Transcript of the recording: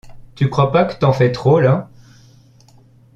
Tu crois pas que t’en fais trop, là ?